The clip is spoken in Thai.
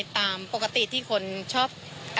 ตามปกติที่คนชอบ